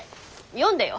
読んでよ。